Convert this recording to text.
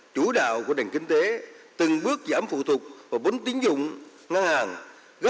chủ đạo của đền kinh tế từng bước giảm phụ thuộc vào bốn tiến dụng ngang hàng